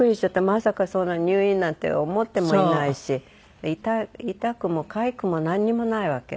まさかそんな入院なんて思ってもいないし痛くもかゆくもなんにもないわけ。